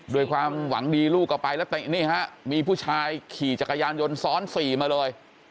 ด้วยความหวังดีลูกก็ไปแล้วเตะนี่ฮะมีผู้ชายขี่จักรยานยนต์ซ้อนสี่มาเลย